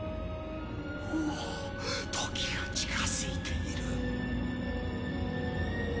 おお時が近づいている